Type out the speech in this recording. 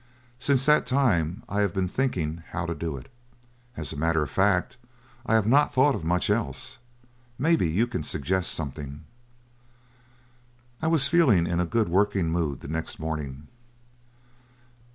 Since that time I have been thinking how to do it. As a matter of fact, I have not thought of much else. Maybe you can suggest something." I was feeling in a good working mood the next morning.